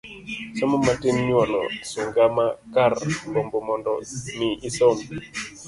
Somo matin nyuolo sunga kar gombo mondo mi isom.